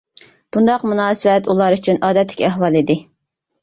مۇنداق مۇناسىۋەت ئۇلار ئۈچۈن ئادەتتىكى ئەھۋال ئىدى.